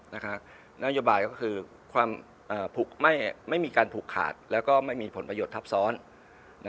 นามโยบายก็คือไม่มีการผูกขาดและไม่มีผลประโยชน์ทัพซ้อน